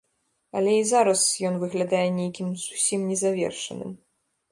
Але і зараз ён выглядае нейкім зусім незавершаным.